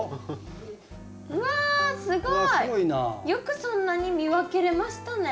よくそんなに見分けれましたね。